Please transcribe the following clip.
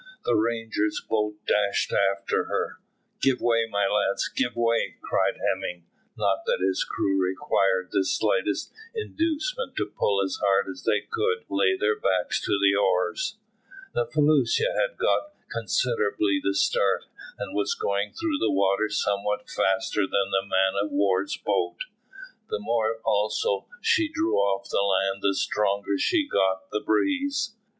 The Ranger's boat dashed after her. "Give way, my lads, give way," cried Hemming; not that his crew required the slightest inducement to pull as hard as they could lay their backs to the oars. The felucca had got considerably the start, and was going through the water somewhat faster than the man of war's boat; the more also she drew off the land the stronger she got the breeze.